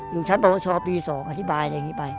อยู่ชั้นปวชปี๒อธิบายอะไรอย่างนี้ไป